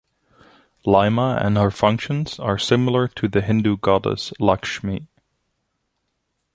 Laima and her functions are similar to the Hindu goddess Lakshmi.